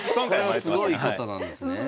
これはすごい方なんですね。